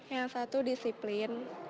yang satu disiplin